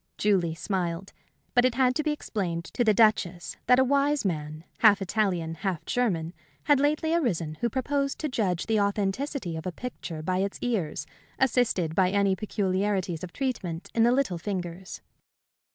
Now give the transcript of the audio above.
Julie smiled. But it had to be explained to the Duchess that a wise man, half Italian, half German, had lately arisen who proposed to judge the authenticity of a picture by its ears, assisted by any peculiarities of treatment in the little fingers.